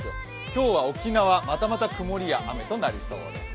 今日は沖縄、またまた曇りや雨となりそうです。